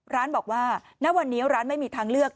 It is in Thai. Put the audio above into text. ร้านบอกว่าณวันนี้ร้านไม่มีทางเลือก